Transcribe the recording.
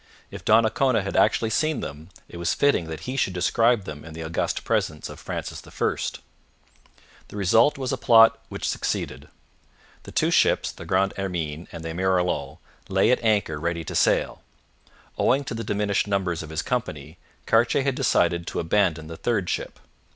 If Donnacona had actually seen them, it was fitting that he should describe them in the august presence of Francis I. The result was a plot which succeeded. The two ships, the Grande Hermine and the Emerillon, lay at anchor ready to sail. Owing to the diminished numbers of his company, Cartier had decided to abandon the third ship.